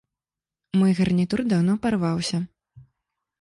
Мой гарнітур даўно парваўся.